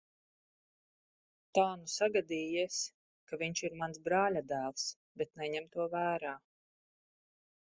Tā nu sagadījies, ka viņš ir mans brāļadēls, bet neņem to vērā.